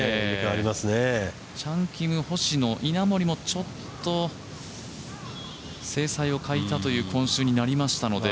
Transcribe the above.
チャン・キム、星野、稲森もちょっと精彩を欠いたという今週になりましたので。